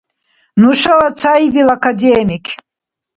Нушала цаибил академик